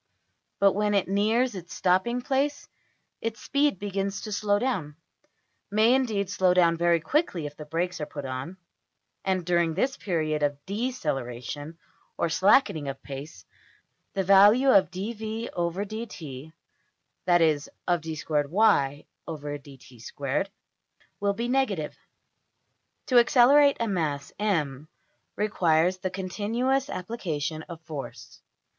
But when it nears its stopping place its speed begins to slow down; may, indeed, slow down very quickly if the brakes are put on, and during this period of \emph{deceleration} or slackening of pace, the value of~$\dfrac{dv}{dt}$, that is, of~$\dfrac{d^2y}{dt^2}$ will be negative. To accelerate a mass~$m$ requires the continuous application of force.